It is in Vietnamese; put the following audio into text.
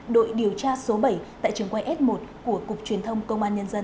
đội điều tra số bảy tại trường quay s một của cục truyền thông công an nhân dân